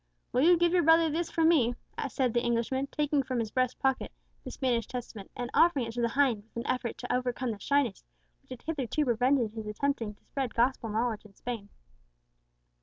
"Will you give your brother this from me?" said the Englishman, taking from his breast pocket the Spanish Testament, and offering it to the hind with an effort to overcome the shyness which had hitherto prevented his attempting to spread gospel knowledge in Spain.